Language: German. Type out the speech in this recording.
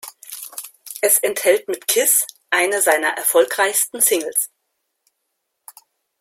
Es enthält mit "Kiss" eine seiner erfolgreichsten Singles.